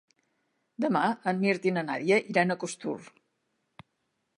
Demà en Mirt i na Nàdia iran a Costur.